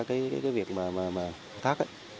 cái việc mà khai thác